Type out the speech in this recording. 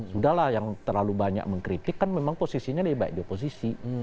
sudah lah yang terlalu banyak mengkritik kan memang posisinya lebih baik di oposisi